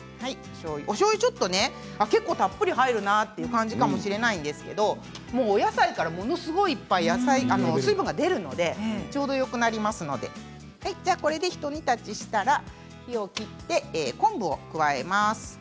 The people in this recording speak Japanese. おしょうゆちょっと結構たっぷり入るなという感じかもしれないんですけどお野菜から、ものすごいいっぱい水分が出るのでちょうどよくなりますのでこれで、ひと煮立ちしたら火を切って昆布を加えます。